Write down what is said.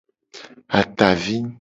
Atavi.